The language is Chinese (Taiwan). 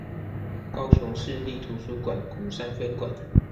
高雄市立圖書館鼓山分館